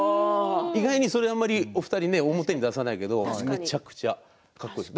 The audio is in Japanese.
意外にお二人、表に出さないけどめちゃくちゃかっこいいです。